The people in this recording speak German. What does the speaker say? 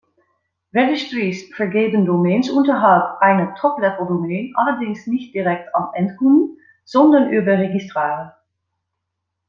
Registries vergeben Domains unterhalb einer Top-Level-Domain, allerdings nicht direkt an Endkunden, sondern über Registrare.